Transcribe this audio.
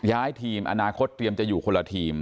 ย้ายทีมอนาคตเตรียมจะอยู่คนละทีม